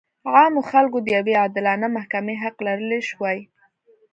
عامو خلکو د یوې عادلانه محکمې حق لرلی شوای.